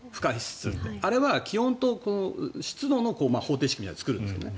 あれは、気温と湿度の方程式みたいなので作るんですね。